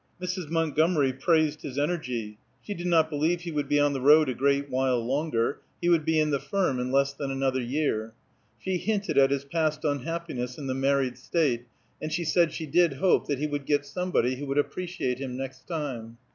Mrs. Montgomery praised his energy; she did not believe he would be on the road a great while longer; he would be in the firm in less than another year. She hinted at his past unhappiness in the married state, and she said she did hope that he would get somebody who would appreciate him, next time.